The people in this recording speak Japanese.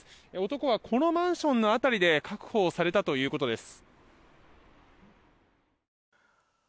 男はこのマンションの辺りで確保されたということです。